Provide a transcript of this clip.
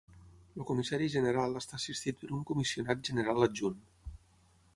El Comissari General està assistit per un Comissionat General Adjunt.